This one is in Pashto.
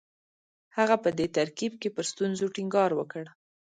هغه په دې ترکیب کې پر ستونزو ټینګار وکړ